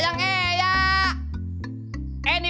makanya punya bintik